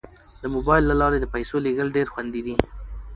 د موبایل له لارې د پيسو لیږل ډیر خوندي دي.